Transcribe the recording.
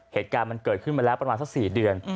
เหตุการณ์มันเกิดขึ้นมาแล้วประมาณสัก๔เดือน